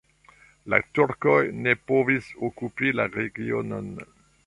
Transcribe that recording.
La turkoj ne povis okupi la regionon.